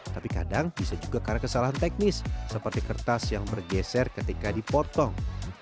tapi kadang bisa juga karena kesalahan teknis seperti kertas yang bergeser ketika dipotong